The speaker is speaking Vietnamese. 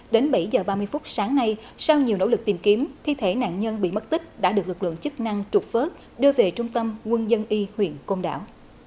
đến bảy h ba mươi phút sáng nay sau nhiều nỗ lực tìm kiếm thi thể nạn nhân bị mất tích đã được lực lượng chức năng trục vớt đưa về trung tâm quân dân y huyện công đảo